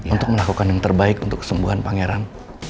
untuk melakukan yang terbaik untuk kesembuhan pangeran